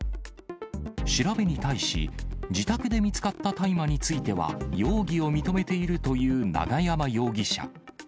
調べに対し、自宅で見つかった大麻については容疑を認めているという永山容疑者。